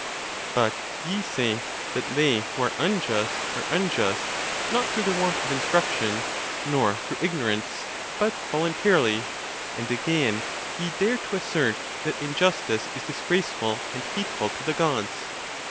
But ye say, that they, who are unjust, are unjust not through the want of instruction, nor through ignor ance, but voluntarily ;4 and again, ye dare to assert that injus tice is disgraceful and hateful to the gods.